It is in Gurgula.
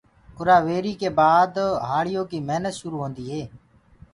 اُرآ ويهري ڪي بآد هآݪيو ڪي مهنت شرو هوند هي